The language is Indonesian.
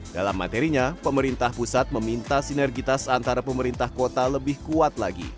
dalam materinya pemerintah pusat meminta sinergitas antara pemerintah kota lebih kuat lagi